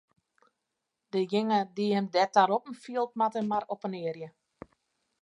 Dejinge dy't him derta roppen fielt, moat him mar oppenearje.